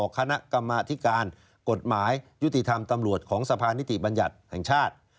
คณะกรรมาธิการกฎหมายยุติธรรมตำรวจของสะพานนิติบัญญัติแห่งชาติ